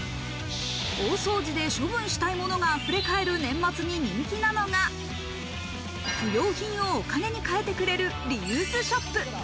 大掃除で処分したいものがあふれかえる年末に人気なのが、不用品をお金に換えてくれるリユースショップ。